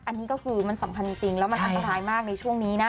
อันนี้ก็คือมันสำคัญจริงแล้วมันอันตรายมากในช่วงนี้นะ